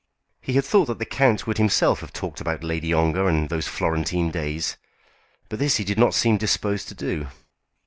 He had thought that the count would himself have talked about Lady Ongar and those Florentine days, but this he did not seem disposed to do.